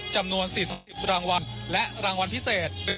จำนวน๔๐รางวัลและรางวัลพิเศษ